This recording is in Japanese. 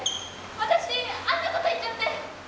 私あんなこと言っちゃって。